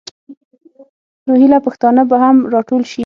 روهیله پښتانه به هم را ټول شي.